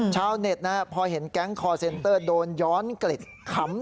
ชาวเน็ตพอเห็นแก๊งคอร์เซ็นเตอร์โดนย้อนกลิดขำ